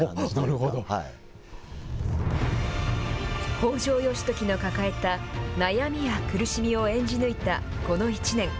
北条義時の抱えた悩みや苦しみを演じ抜いたこの一年。